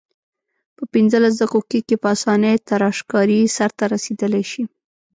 په پنځلس دقیقو کې په اسانۍ تراشکاري سرته رسیدلای شي.